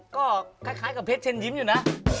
ก็คล้ายกับเพชรเชิญยิ้มอยู่นะ